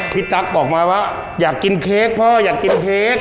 ตั๊กบอกมาว่าอยากกินเค้กพ่ออยากกินเค้ก